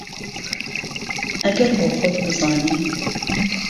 ئهگهر بۆ خۆت بزانی